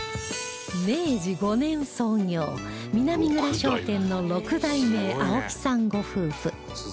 明治５年創業南蔵商店の６代目青木さんご夫婦